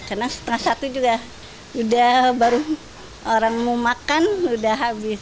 karena setengah satu juga udah baru orang mau makan udah habis